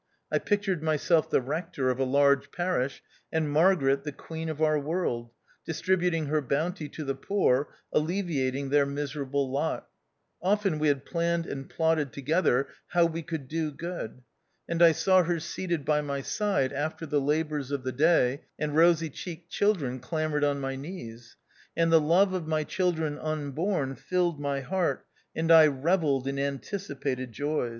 I pictured myself the rector of a large parish, and Margaret the queen of our world, dis tributing her bounty to the poor, alleviat ing their miserable lot. Often we had planned and plotted together how we could do good. And I saw her seated by my side after the labours of the day, and rosy cheeked children clambered on my knees. And the love of my children unborn filled my heart, and I revelled in anticipated joys.